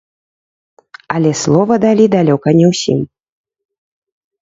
Але слова далі далёка не ўсім.